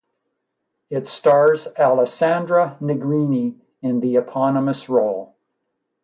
It stars Alessandra Negrini in the eponymous role.